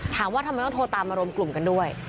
ถามว่าทำไมต้องโทรตามมารวมกลุ่มกันด้วย